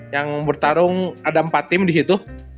yang bertarung ada empat tim di situ